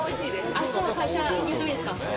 あしたは会社休みですか？